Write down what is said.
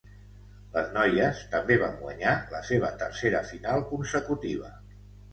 Les noies també van guanyar la seva tercera final consecutiva.